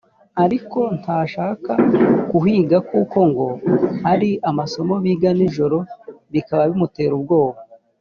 ariko ntashaka kuhiga kuko ngo hari amasomo biga ni joro bikaba bimutera ubwoba